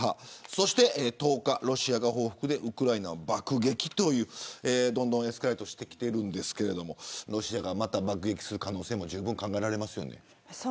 そして１０日にロシアが報復でウクライナを爆撃というどんどんエスカレートしているんですがロシアが、また爆撃する可能性も十分考えられますよね。